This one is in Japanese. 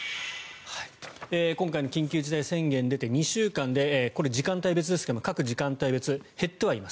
今回の緊急事態宣言が出て２週間でこれ、時間帯別ですが減ってはいます。